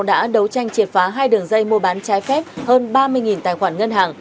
đã đấu tranh triệt phá hai đường dây mua bán trái phép hơn ba mươi tài khoản ngân hàng